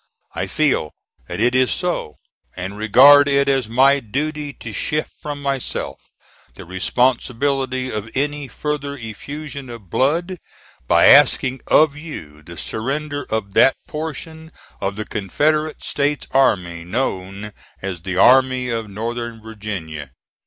I feel that it is so, and regard it as my duty to shift from myself the responsibility of any further effusion of blood, by asking of you the surrender of that portion of the Confederate States army known as the Army of Northern Virginia.